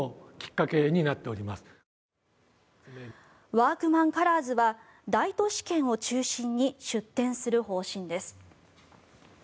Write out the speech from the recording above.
ワークマンカラーズは大都市圏を中心に出店する方針です。